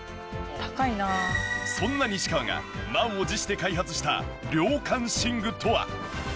そんな西川が満を持して開発した涼感寝具とは？